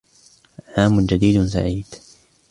عام جديد سعيد!